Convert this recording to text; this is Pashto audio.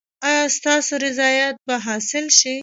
ایا ستاسو رضایت به حاصل شي؟